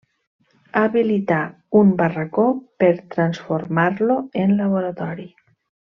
Habilitar un barracó per transformar-lo en laboratori.